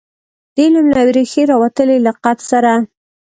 د علم له یوې ریښې راوتلي لقب سره.